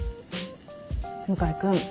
向井君。